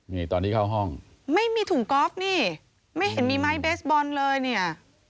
นี่ตอนที่เข้าห้องไม่มีถุงกอล์ฟนี่ไม่เห็นมีไม้เบสบอลเลยเนี่ย